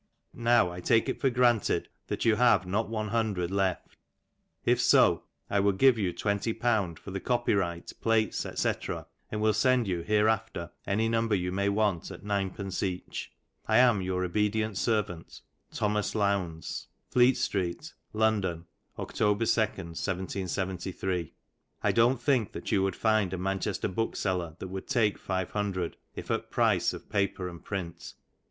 Now I take it for granted that you have " not one hundred left ; if so, I will give you twenty pounds for the " copyright, plates, &c.^ and will send you hereafter any number you ^'' may want at 9d. each. And am your obedt. servt., " Tho" Lowndes. "Fleet street, London, October 2, 1773. " I dont think that you would find a Manchester bookseller that " would take 500, if at price of paper and print.